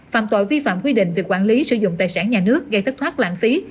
phạm tội vi phạm quy định về quản lý sử dụng tài sản nhà nước gây thất thoát lãng phí